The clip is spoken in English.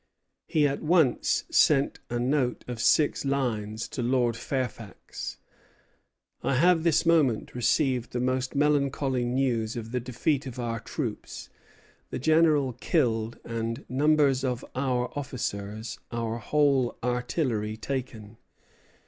He at once sent a note of six lines to Lord Fairfax: "I have this moment received the most melancholy news of the defeat of our troops, the General killed, and numbers of our officers; our whole artillery taken.